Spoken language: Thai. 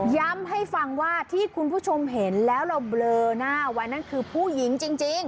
ให้ฟังว่าที่คุณผู้ชมเห็นแล้วเราเบลอหน้าไว้นั่นคือผู้หญิงจริง